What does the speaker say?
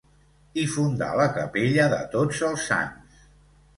Hi fundà la Capella de Tots els Sants.